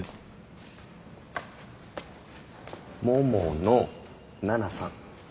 桃野奈々さん。